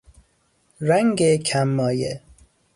رنگ کم مایه